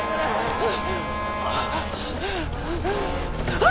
あっ。